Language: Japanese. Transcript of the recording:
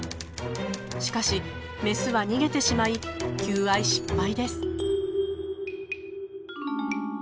しかしメスは逃げてしまい求愛失敗です。